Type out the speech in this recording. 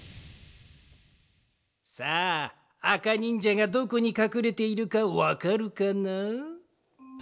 さああかにんじゃがどこにかくれているかわかるかな？